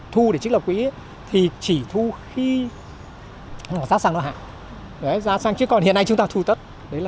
thu để trích lập quỹ thì chỉ thu khi giá xăng đô hạn giá xăng chứ còn hiện nay chúng ta thu tất